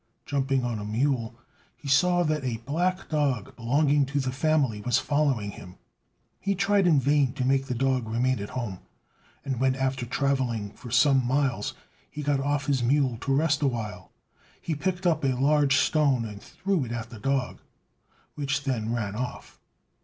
Jumping on a mule, he saw that a black dog, belonging to the family, was following him. He tried in vain to make the dog remain at home; and when, after travelling for some miles, he got off his mule to rest awhile, he picked up a large stone and threw it at the dog, which then ran off.